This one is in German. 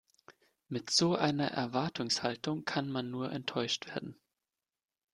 Mit so einer Erwartungshaltung kann man nur enttäuscht werden.